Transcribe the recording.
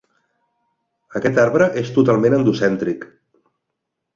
Aquest arbre és totalment endocèntric.